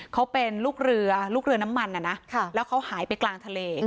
เขาเป็นลูกเรือลูกเรือน้ำมันนะแล้วเขาหายไปกลางทะเล